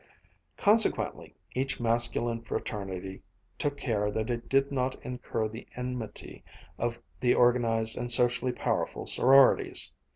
Consequently each masculine fraternity took care that it did not incur the enmity of the organized and socially powerful sororities.